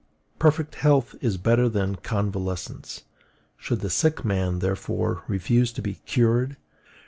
Perfect health is better than convalescence: should the sick man, therefore, refuse to be cured?